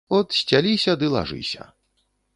От сцяліся ды лажыся.